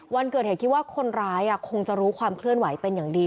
วันเกิดเหตุคิดว่าคนร้ายคงจะรู้ความเคลื่อนไหวเป็นอย่างดี